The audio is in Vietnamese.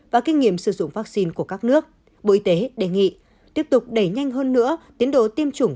và kinh nghiệm sử dụng vaccine của các nước bộ y tế đề nghị tiếp tục đẩy nhanh hơn nữa tiến độ tiêm chủng